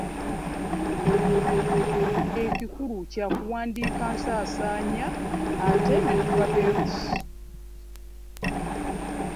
Ekikulu kya kuwandiika nsaasaanya ate ne tuba beerufu.